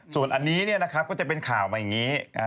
ส่วนอันนี้เนี่ยนะครับก็จะเป็นข่าวมาอย่างนี้